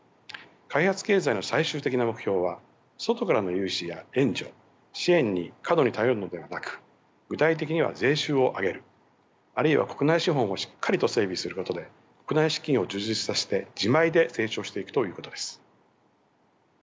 開発経済の最終的な目標は外からの融資や援助・支援に過度に頼るのではなく具体的には税収を上げるあるいは国内資本をしっかりと整備することで国内資金を充実させて自前で成長していくということです。